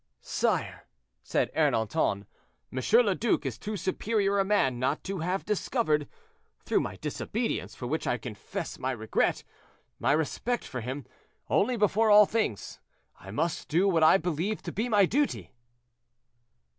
"Sire," said Ernanton, "M. le Duc is too superior a man not to have discovered, through my disobedience (for which I confess my regret), my respect for him; only, before all things, I must do what I believe to be my duty."